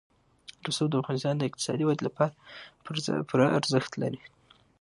رسوب د افغانستان د اقتصادي ودې لپاره پوره ارزښت لري.